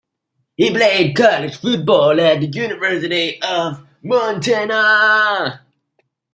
He played college football at the University of Montana.